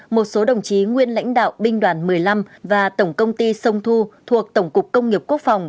một số đồng chí nguyên lãnh đạo binh đoàn một mươi năm và tổng công ty sông thu thuộc tổng cục công nghiệp quốc phòng